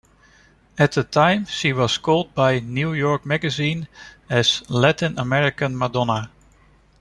At the time, she was called by "New York Magazine" as "Latin American Madonna".